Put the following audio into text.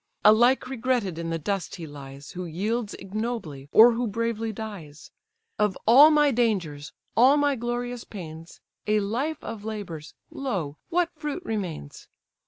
Alike regretted in the dust he lies, Who yields ignobly, or who bravely dies. Of all my dangers, all my glorious pains, A life of labours, lo! what fruit remains?